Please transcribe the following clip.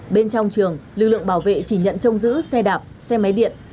bên trong trường lực lượng bảo vệ chỉ nhận trông giữ xe đạp xe máy điện